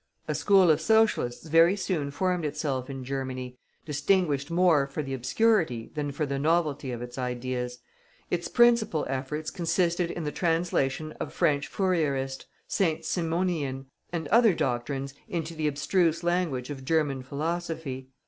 A school of Socialists very soon formed itself in Germany, distinguished more for the obscurity than for the novelty of its ideas; its principal efforts consisted in the translation of French Fourierist, Saint Simonian, and other doctrines into the abstruse language of German philosophy.